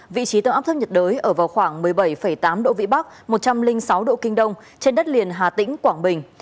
vị trí tâm áp thấp nhiệt đới ở vào khoảng một mươi bảy tám độ vĩ bắc một trăm linh sáu độ kinh đông trên đất liền hà tĩnh quảng bình